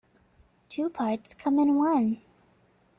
Two parts come in one.